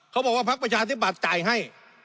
เขาบอกว่าพักประชาธิบัติจ่ายให้